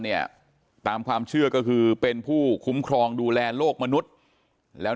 เนี่ยตามความเชื่อก็คือเป็นผู้คุ้มครองดูแลโลกมนุษย์แล้ว